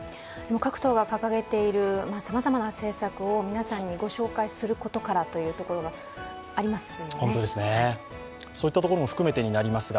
各党が掲げているさまざまな政策を皆様にご紹介するところからというのがありますね。